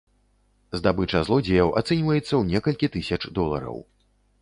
Здабыча злодзеяў ацэньваецца ў некалькі тысяч долараў.